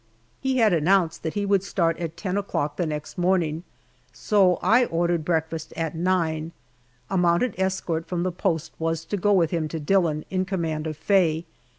He had announced that he would start at ten o'clock the next morning, so I ordered breakfast at nine. A mounted escort from the post was to go with him to Dillon in command of Faye.